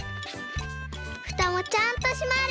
ふたもちゃんとしまる。